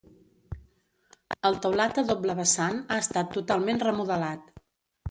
El teulat a doble vessant ha estat totalment remodelat.